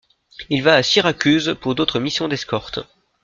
Il va à Syracuse pour d'autres missions d'escorte.